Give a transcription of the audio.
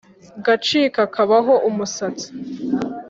Gacika kabaho-Umusatsi.